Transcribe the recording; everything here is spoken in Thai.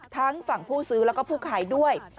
ทั้งฝั่งผู้ซื้อแล้วก็ผู้ขายด้วย